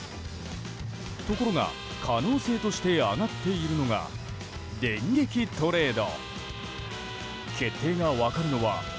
ところが可能性として上がっているのが電撃トレード。